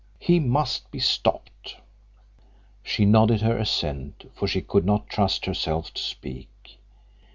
He must be stopped." She nodded her assent, for she could not trust herself to speak.